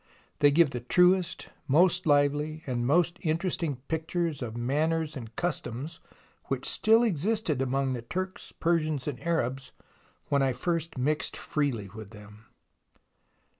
They give the truest, most lively and most interesting pictures of manners and THE ROMANCE OF EXCAVATION 123 customs which still existed amongst Turks, Persians and Arabs when I first mixed freely with them."